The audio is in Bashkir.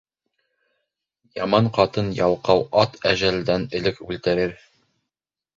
Яман ҡатын, ялҡау ат әжәлдән элек үлтерер.